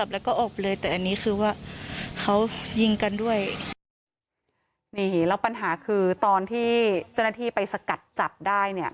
นี่แล้วปัญหาคือตอนที่เจ้าหน้าที่ไปสกัดจับได้เนี่ย